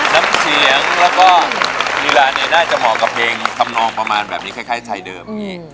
นับเสียงแล้วก็นิราณเนี่ยน่าจะเหมาะกับเพลงคำนองประมาณแบบนี้คล้ายไทยเดิม